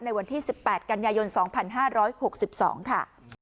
ในวันที่๑๘กันยายน๒๕๖๒ค่ะ